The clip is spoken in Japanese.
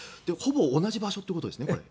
ほぼ同じ場所ってことですね。